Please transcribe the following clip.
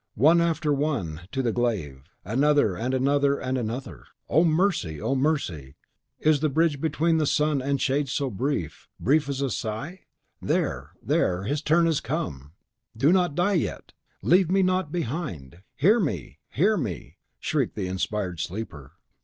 One after one to the glaive, another and another and another! Mercy! O mercy! Is the bridge between the sun and the shades so brief, brief as a sigh? There, there, HIS turn has come. "Die not yet; leave me not behind; hear me hear me!" shrieked the inspired sleeper.